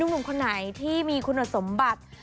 หนุ่มคนไหนที่มีคุณสมบัติ